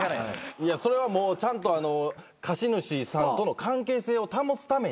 いやそれはちゃんと貸主さんとの関係性を保つために。